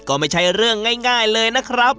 ก็ไม่ใช่เรื่องง่ายเลยนะครับ